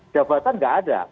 jabatan tidak ada